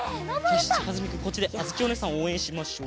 よしじゃあかずふみくんこっちであづきおねえさんをおうえんしましょう。